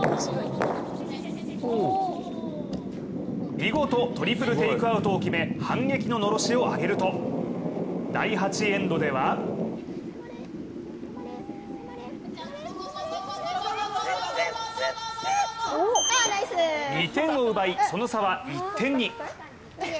見事トリプルテイクアウトを決め反撃ののろしを上げると第８エンドでは２点を奪い、その差は１点に。